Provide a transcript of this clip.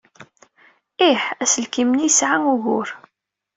Ih, aselkim-nni yesɛa ugur.